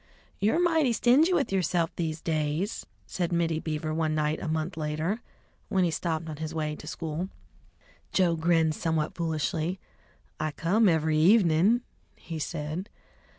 "You're mighty stingy with yourself these days!" said Mittie Beaver one night a month later, when he stopped on his way to school. Joe grinned somewhat foolishly. "I come every evenin'," he said.